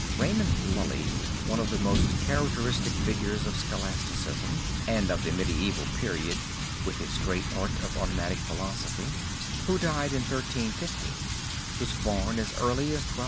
Raymond Lully, one of the most characteristic figures of Scholasticism and of the medieval period (with his "great art" of automatic philosophy), who died in 1315, was born as early as 1235.